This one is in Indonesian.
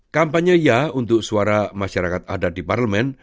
kampanye ya untuk suara masyarakat adat di parlemen